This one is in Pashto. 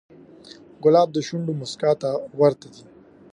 ګلاب د شونډو موسکا ته ورته دی.